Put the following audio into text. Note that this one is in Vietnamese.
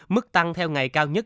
mức tăng theo ngày cao nhất